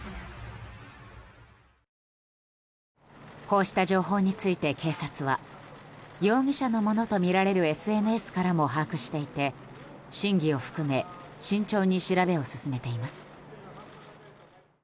こうした情報について警察は容疑者のものとみられるＳＮＳからも把握していて真偽を含め慎重に調べを進めています。